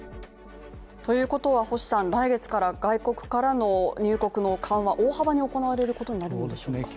ということは、来月から外国からの入国の緩和、大幅に行われることになるんでしょうか。